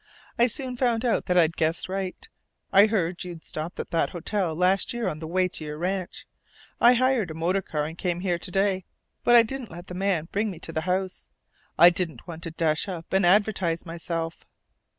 I soon found out that I'd guessed right. I heard you'd stopped at that hotel last year on the way to your ranch. I hired a motor car and came here to day; but I didn't let the man bring me to the house. I didn't want to dash up and advertise myself.